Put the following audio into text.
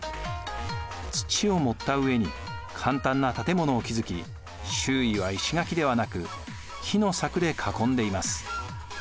土を盛った上に簡単な建物を築き周囲は石垣ではなく木の柵で囲んでいます。